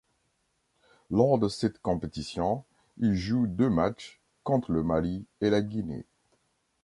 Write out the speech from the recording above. Lors de cette compétition, il joue deux matchs, contre le Mali et la Guinée.